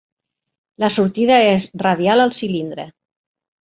La sortida és radial al cilindre.